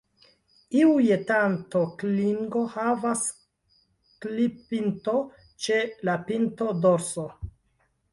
Iuj tanto-klingo havas klip-pinton ĉe la pinto-dorso.